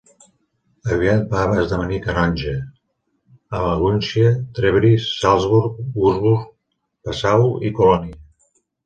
Aviat va esdevenir canonge: a Magúncia, Trèveris, Salzburg, Würzburg, Passau i Colònia.